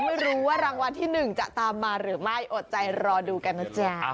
ไม่รู้ว่ารางวัลที่๑จะตามมาหรือไม่อดใจรอดูกันนะจ๊ะ